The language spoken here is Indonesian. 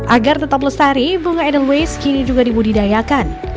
agar tetap lestari bunga edelweiss kini juga dibudidayakan